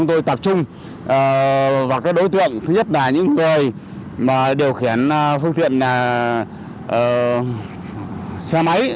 tổ chức đại gia đình điều khiển phương tiện xe máy